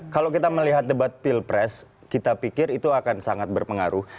kalau kita melihat debat pilpres kita pikir itu akan sangat berpengaruh